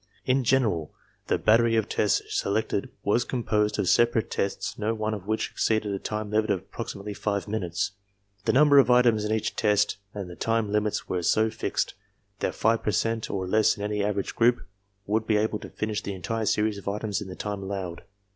In general, the battery of tests selected was composed of separate tests no one of which exceeded a time limit of approximately five minutes. The num ber of items in each test and the time limits were so fixed that five per cent or less in any average group would be able to finish ^ the entire series of items in the time allowed.